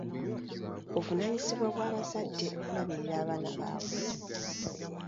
Buvunaanyizibwa bw'abazadde okulabirira abaana baabwe.